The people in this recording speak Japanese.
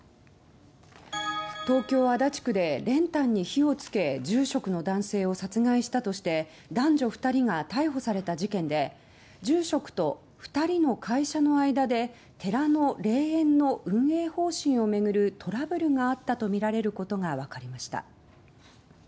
東京・足立区で練炭に火を付け住職の男性を殺害したとして男女２人が逮捕された事件で住職と２人の会社の間で寺の霊園の運営方針を巡るトラブルがあったとみられることが分かりました。